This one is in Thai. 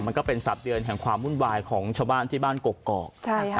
มันก็เป็นสัตว์เดือนแห่งความวุ่นวายของชาวบ้านที่บ้านกกอกใช่ค่ะ